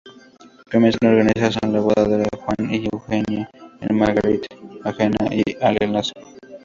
Comienza a organizarse la boda de Juan y Eugenia con Margarita ajena al enlace.